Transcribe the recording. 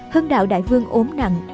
hưng đạo đại vương ốm nặng